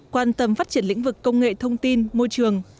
quan tâm phát triển lĩnh vực công nghệ thông tin môi trường